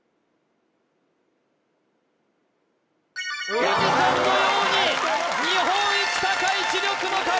富士山のように日本一高い知力の壁！